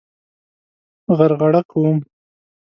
غرغړه کوم.